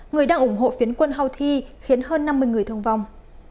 người đang ủng hộ phiến quân houthi khiến hơn năm mươi người thương vong